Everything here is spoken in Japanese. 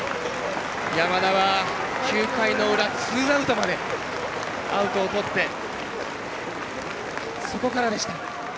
山田は９回の裏、ツーアウトまでアウトをとってそこからでした。